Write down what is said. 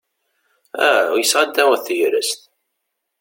Ah! Uysaɣ ad taweḍ tegrest.